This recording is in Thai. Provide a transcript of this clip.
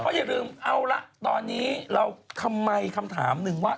อย่าลืมเอาละตอนนี้เราทำไมคำถามหนึ่งว่า